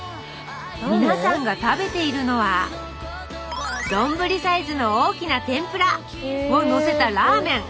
皆さんが食べているのは丼サイズの大きな天ぷら！をのせたラーメン！